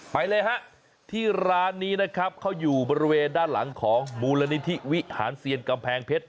ไปเลยฮะที่ร้านนี้นะครับเขาอยู่บริเวณด้านหลังของมูลนิธิวิหารเซียนกำแพงเพชร